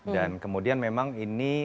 dan kemudian memang ini